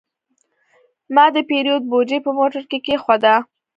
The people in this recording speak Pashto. ما د پیرود بوجي په موټر کې کېښوده.